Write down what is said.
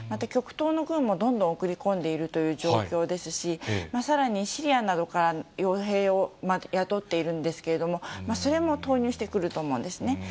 極東の軍もどんどん送り込んでいるという状況ですし、さらにシリアなどからよう兵を雇っているんですけれども、それも投入してくると思うんですね。